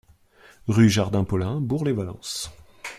Rue Jardin Paulin, Bourg-lès-Valence